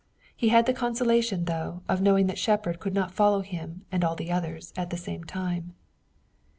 He had the consolation, though, of knowing that Shepard could not follow him and all the others at the same time.